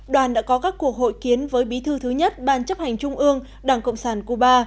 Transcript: đoàn đã có các cuộc hội kiến với bí thư thứ nhất ban chấp hành trung ương đảng cộng sản cuba